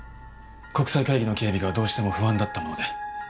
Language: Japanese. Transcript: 国際会議の警備がどうしても不安だったもので。